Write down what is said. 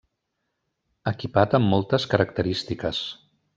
Equipat amb moltes característiques.